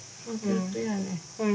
うん。